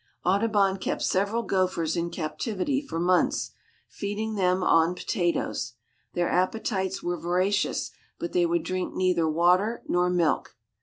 Audubon kept several gophers in captivity for months, feeding them on potatoes. Their appetites were voracious, but they would drink neither water nor milk.